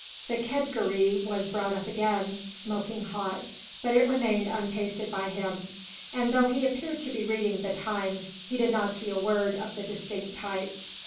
The kedgeree was brought up again, smoking hot, but it remained untasted by him; and though he appeared to be reading the Times, he did not see a word of the distinct type.